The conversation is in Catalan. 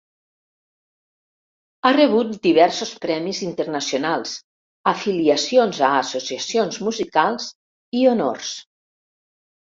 Ha rebut diversos premis internacionals, afiliacions a associacions musicals i honors.